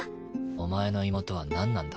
お前の妹は何なんだ？